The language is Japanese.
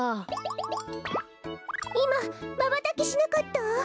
いままばたきしなかった？